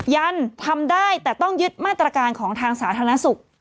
ยันทำได้แต่ต้องยึดมาตรการของทางสาธารณสุข